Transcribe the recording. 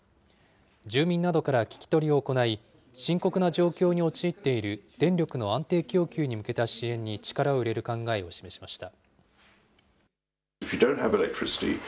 住民などから聞き取りを行い、深刻な状況に陥っている電力の安定供給に向けた支援に力を入れる考えを示しました。